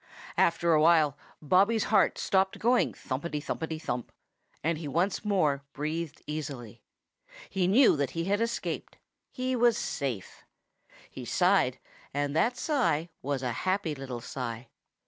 After awhile Bobby's heart stopped going thumpity thumpity thump, and he once more breathed easily. He knew that he had escaped. He was safe. He sighed, and that sigh was a happy little sigh.